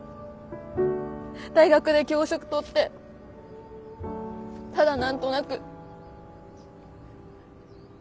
大学で教職とってただ何となく。